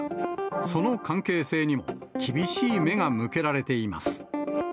その関係性にも、厳しい目が向けられています。